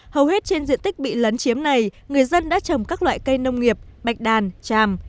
hầu hết trên diện tích bị lấn chiếm này người dân đã trồng các loại cây nông nghiệp bạch đàn tràm